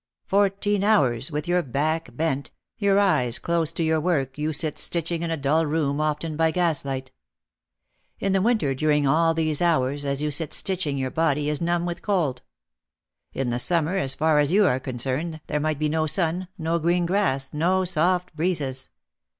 Fourteen hours with your back bent, your eyes close to your work you sit stitching in a dull room often by gas light. In the winter during all these hours as you sit stitching your body is numb with cold. In the summer, as far as you are concerned, there might be no sun, no green grass, no soft breezes.